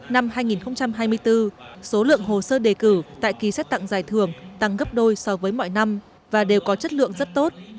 năm hai nghìn hai mươi bốn số lượng hồ sơ đề cử tại kỳ xét tặng giải thưởng tăng gấp đôi so với mọi năm và đều có chất lượng rất tốt